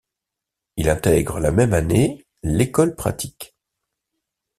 Il intègre la même année l'École pratique.